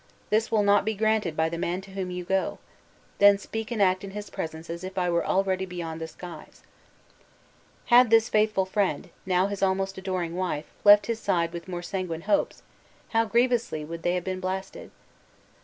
This will not be granted by the man to whom you go; then speak and act in his presence as if I were already beyond the skies." Had this faithful friend, now his almost adoring wife, left his side with more sanguine hopes, how grievously would they have been blasted!